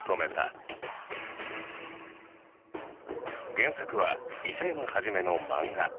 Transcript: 原作は諫山創の漫画。